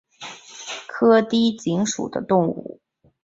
似锥低颈吸虫为棘口科低颈属的动物。